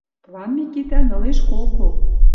План Микитӓн ылеш кого: